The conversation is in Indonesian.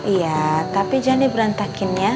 iya tapi jangan diberantakin ya